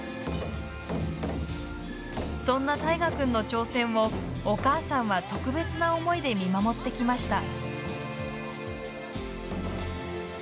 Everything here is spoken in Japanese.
そんな虎君の挑戦をお母さんは特別な思いで見守ってきました。